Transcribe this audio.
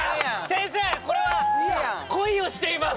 先生これは。恋をしています。